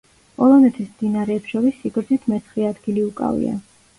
პოლონეთის მდინარეებს შორის სიგრძით მეცხრე ადგილი უკავია.